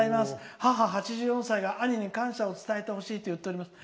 母８４歳が兄に感謝を伝えてほしいと言っています。